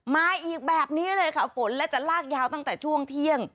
มาอีกแบบนี้เลยค่ะฝนและจะลากยาวตั้งแต่ช่วงเที่ยง